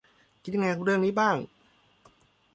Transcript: คิดยังไงกับเรื่องนี้บ้าง